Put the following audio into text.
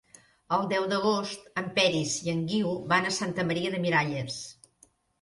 El deu d'agost en Peris i en Guiu van a Santa Maria de Miralles.